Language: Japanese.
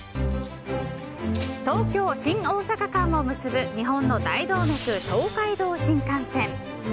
東京新大阪間を結ぶ日本の大動脈、東海道新幹線。